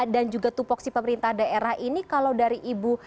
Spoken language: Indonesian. dan juga tupok si pemerintah daerah ini kalau dari ibu